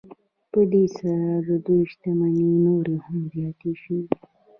په دې سره د دوی شتمنۍ نورې هم زیاتې شوې